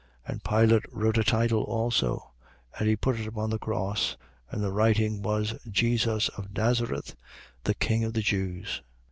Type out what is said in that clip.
19:19. And Pilate wrote a title also: and he put it upon the cross. And the writing was: JESUS OF NAZARETH, THE KING OF THE JEWS.